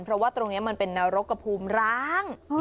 เพราะว่าตรงนี้มันเป็นนรกกระภูมิร้าง